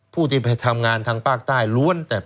คุณนิวจดไว้หมื่นบาทต่อเดือนมีค่าเสี่ยงให้ด้วย